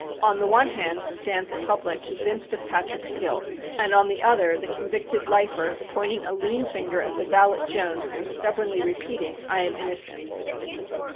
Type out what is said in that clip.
On the one hand stands a public convinced of Patrick's guilt, and on the other the convicted "lifer" pointing a lean finger at the valet Jones and stubbornly repeating, "I am innocent."